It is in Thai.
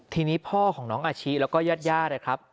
ทีนี้พ่อของหนองอาชี้แล้วก็ญาติย่าเลยครับ